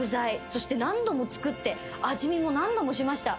そして何度も作って味見も何度もしました。